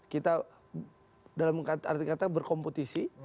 kita dalam arti kata berkompetisi